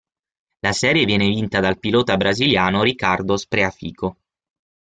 La serie viene vinta dal pilota brasiliano Ricardo Spreafico.